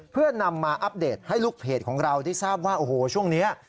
เพื่อนำมาอัปเดตให้ลูกเพจของเราได้ทราบว่าโอ้โหช่วงนี้